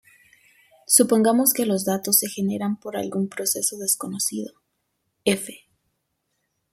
Supongamos que los datos se generan por algún proceso desconocido "f".